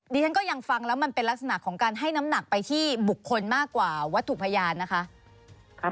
ดิฉันก็ยังฟังแล้วมันเป็นลักษณะของการให้น้ำหนักไปที่บุคคลมากกว่าวัตถุพยานนะคะ